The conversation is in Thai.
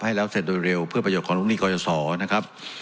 ให้แล้วเสร็จโดยเร็วเพื่อประโยชนของลูกหนี้กรยาศรนะครับ